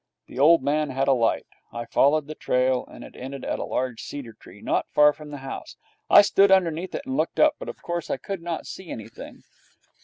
The old man had a light. I followed the trail, and it ended at a large cedar tree, not far from the house. I stood underneath it and looked up, but of course I could not see anything.